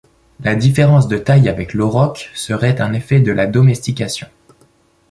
La différence de taille avec l’aurochs serait un effet de la domestication.